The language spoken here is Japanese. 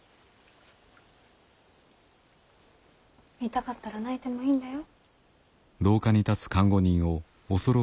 痛かったら泣いてもいいんだよ。